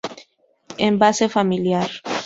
Envase familiar.